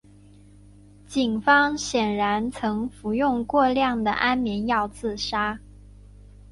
警方显然曾服用过量的安眠药自杀。